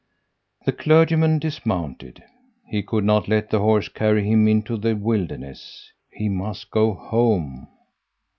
"The clergyman dismounted. He could not let the horse carry him into the wilderness. He must go home.